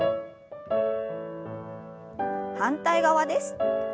反対側です。